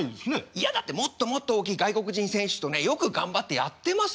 いやだってもっともっと大きい外国人選手とねよく頑張ってやってますよね